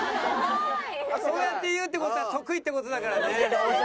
そうやって言うって事は得意って事だからね。